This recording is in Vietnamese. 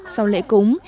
sau lễ cúng